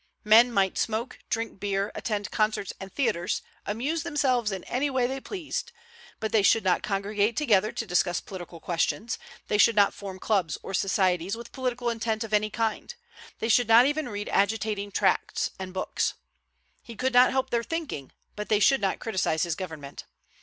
Men might smoke, drink beer, attend concerts and theatres, amuse themselves in any way they pleased, but they should not congregate together to discuss political questions; they should not form clubs or societies with political intent of any kind; they should not even read agitating tracts and books. He could not help their thinking, but they should not criticise his government.